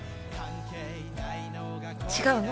違うの？